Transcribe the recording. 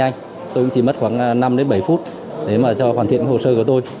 tôi cũng chỉ mất khoảng năm bảy phút để hoàn thiện hồ sơ của tôi